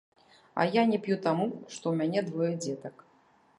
А я не п'ю таму, што ў мяне двое дзетак.